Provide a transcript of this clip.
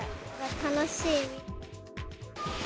楽しい。